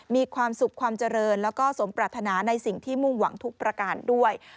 มีความสุขความเจริญแล้วก็สมปรารถนาในสิ่งที่มุ่งหวังทุกประการด้วย